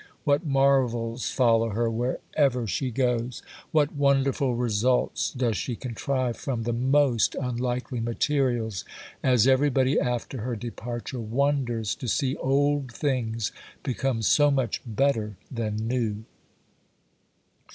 What marvels follow her, wherever she goes! What wonderful results does she contrive from the most unlikely materials, as everybody after her departure wonders to see old things become so much better than new!